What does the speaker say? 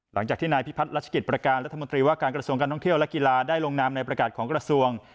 หลังจากที่นายพิพัฒนรัชกิจประการรัฐมนตรีว่าการกระทรวงการท่องเที่ยวและกีฬาได้ลงนามในประกาศของกระทรวง